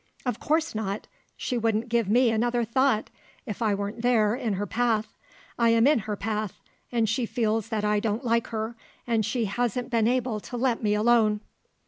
"Of course not. She wouldn't give me another thought, if I weren't there, in her path; I am in her path, and she feels that I don't like her, and she hasn't been able to let me alone."